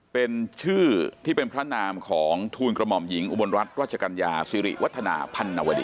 เป็นชื่อที่เป็นพระนามของทูลกระหม่อมหญิงอุบลรัฐรัชกัญญาสิริวัฒนาพันนวดี